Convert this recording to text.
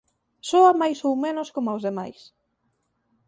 Soa máis ou menos coma os demais.